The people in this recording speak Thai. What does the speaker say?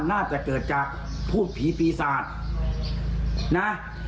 น่าจะเกิดจากพูดผีปีศาจนะ